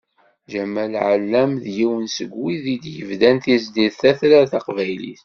Ǧamal Ɛellam d yiwen seg wid i d-yebdan tizlit tatrart taqbaylit.